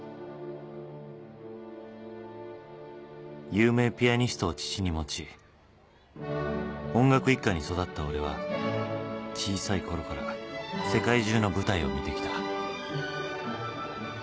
［有名ピアニストを父に持ち音楽一家に育った俺は小さいころから世界中の舞台を見てきた。